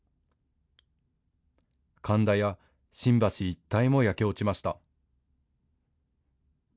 神田や新橋一帯も焼け落ちました。